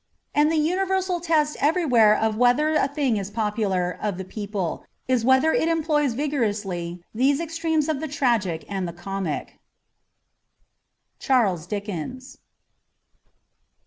And the universal test everywhere of whether a thing is popular, of the people, is whether it employs vigorously these extremes of the tragic and the comic. ' Charles Dickens.''